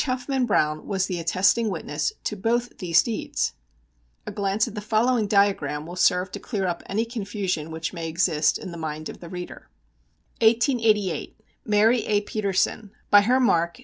Huffman Browne was the attesting witness to both these deeds! A glance at the following diagram will serve to clear up any confusion which may exist in the mind of the reader: [Sidenote: (Not Recorded until 1899)] 1888 MARY A.